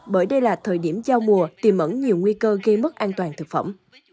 bởi đây là thời điểm giao mùa tìm ẩn nhiều nguy cơ gây mất an toàn thực phẩm